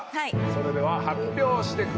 それでは発表してください。